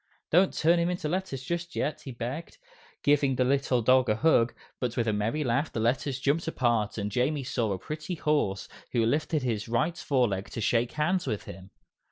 "Don't turn into letters just yet," he begged, giving the little dog a hug, but with a merry laugh the Letters jumped apart and Jamie saw a pretty horse, who lifted his right fore leg to shake hands with him.